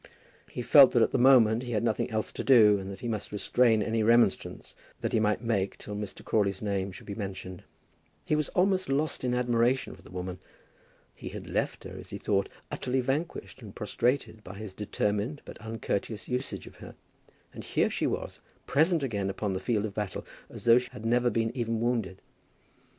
He felt that at the moment he had nothing else to do, and that he must restrain any remonstrance that he might make till Mr. Crawley's name should be mentioned. He was almost lost in admiration of the woman. He had left her, as he thought, utterly vanquished and prostrated by his determined but uncourteous usage of her; and here she was, present again upon the field of battle as though she had never been even wounded.